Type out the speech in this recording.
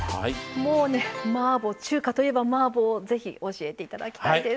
もうね、中華といえばマーボー、ぜひ教えていただきたいです。